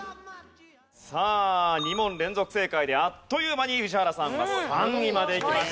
さあ２問連続正解であっという間に宇治原さんが３位まで来ました。